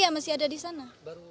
masih ada di sana sekarang